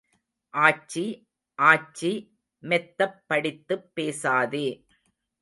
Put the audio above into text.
ஆச்சி, ஆச்சி, மெத்தப் படித்துப் பேசாதே.